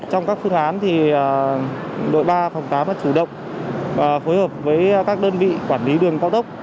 trong các phương án đội ba phòng tám đã chủ động và phối hợp với các đơn vị quản lý đường cao tốc